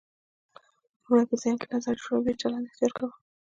لومړی په ذهن کې نظر جوړوو بیا چلند اختیار کوو.